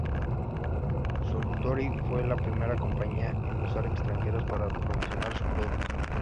Suntory fue la primera compañía en usar extranjeros para promocionar su producto.